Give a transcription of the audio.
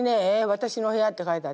「私の部屋」って書いてあって。